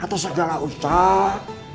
atas segala usaha